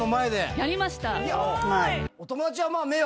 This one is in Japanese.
やりました。